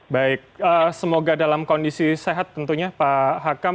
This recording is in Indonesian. baik semoga dalam kondisi sehat tentunya pak hakam